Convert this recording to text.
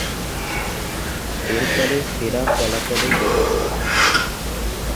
এরফলে সেরা ফলাফলে প্রভাব পড়ে।